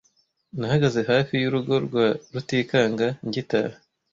Nahagaze hafi y'urugo rwa Rutikanga ngitaha.